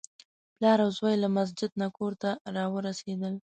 پلار او زوی له مسجد نه کور ته راورسېدل.